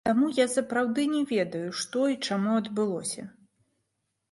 Таму я сапраўды не ведаю, што і чаму адбылося.